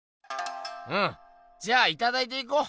うんじゃあいただいていこう。